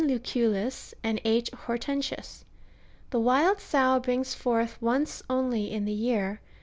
Lucullus and Q. Hortensius.^^ The wild sow brings forth once only in the year.